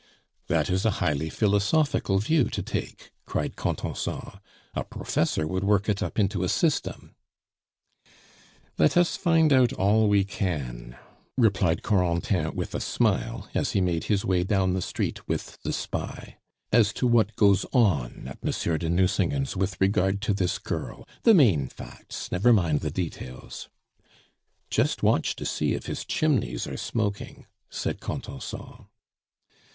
"That is a highly philosophical view to take," cried Contenson. "A professor would work it up into a system." "Let us find out all we can," replied Corentin with a smile, as he made his way down the street with the spy, "as to what goes on at Monsieur de Nucingen's with regard to this girl the main facts; never mind the details " "Just watch to see if his chimneys are smoking!" said Contenson.